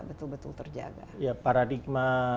betul betul terjaga ya paradigma